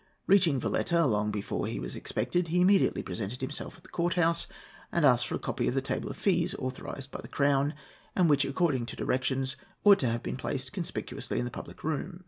Reaching Valetta long before he was expected, he immediately presented himself at the court house, and asked for a copy of the table of fees authorized by the Crown, and which, according to directions, ought to have been placed conspicuously in the public room.